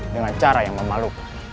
dengan cara yang memalukan